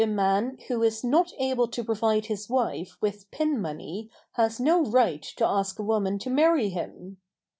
The man who is not able to provide his wife with pin money has no right to ask a woman to marry him.